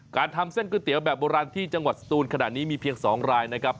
การทำเส้นก๋วยเตี๋ยวแบบโบราณที่จังหวัดสตูนขนาดนี้มีเพียง๒รายนะครับ